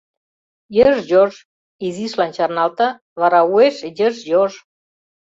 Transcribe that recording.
Йыж-йож — изишлан чарналта, вара уэш — йыж-йож.